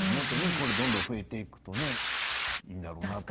これどんどん増えていくとねいいんだろうなと。